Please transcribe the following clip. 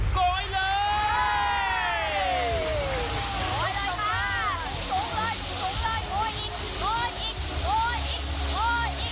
โกยเลยค่ะ